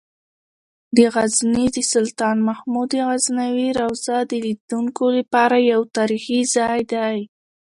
د غزني د سلطان محمود غزنوي روضه د لیدونکو لپاره یو تاریخي ځای دی.